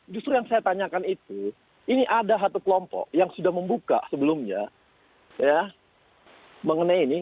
justru yang saya tanyakan itu ini ada satu kelompok yang sudah membuka sebelumnya ya mengenai ini